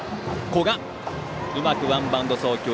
古賀、うまくワンバウンド送球。